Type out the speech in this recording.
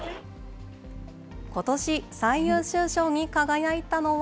ことし、最優秀賞に輝いたのは。